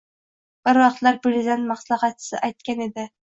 Bir vaqtlar prezident maslahatchisi aytgan edi: